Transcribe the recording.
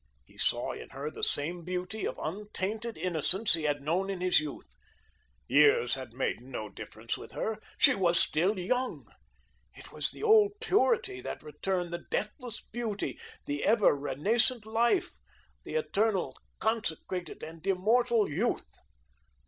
He saw in her the same beauty of untainted innocence he had known in his youth. Years had made no difference with her. She was still young. It was the old purity that returned, the deathless beauty, the ever renascent life, the eternal consecrated and immortal youth.